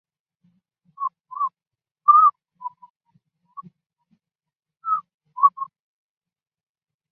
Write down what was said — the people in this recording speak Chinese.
台中市港区艺术中心是位于台中市清水区的公立艺文场所。